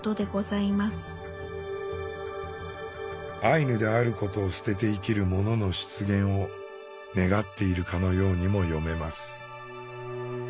アイヌであることを捨てて生きる者の出現を願っているかのようにも読めます。